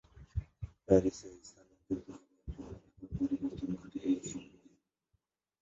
প্যারিসে স্থানান্তরিত হবার পর ব্যাপক পরিবর্তন ঘটে এই সংঘের।